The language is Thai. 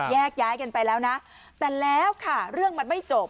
แยกย้ายกันไปแล้วนะแต่แล้วค่ะเรื่องมันไม่จบ